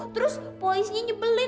terus poesinya nyebelin